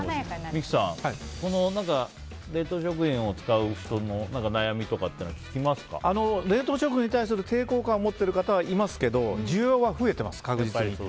三木さん、冷凍食品を使う人の悩みとかって冷凍食品に対する抵抗感を持ってる方はいますけど需要は増えてます、確実に。